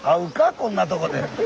こんなとこで。